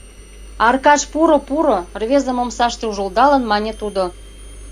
— Аркаш, пуро, пуро! — рвезым омсаште ужылдалын мане тудо.